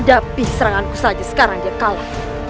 tapi seranganku saja sekarang jekala